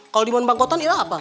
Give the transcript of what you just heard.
kalau diman bangkotan itu apa